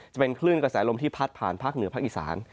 จะเป็นคลื่นกระแสลมที่พัดผ่านภาคเหนือภาคอีสาน